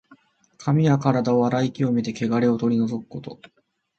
髪やからだを洗い清めて、けがれを取り除くこと。